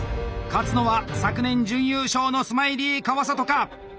勝つのは昨年準優勝のスマイリー川里か？